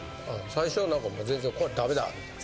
最初は何か全然これダメだみたいな。